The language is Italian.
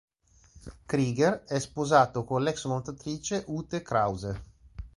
Krieger è sposato con l'ex nuotatrice Ute Krause.